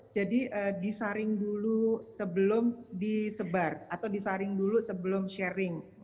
jadi disaring dulu sebelum disebar atau disaring dulu sebelum sharing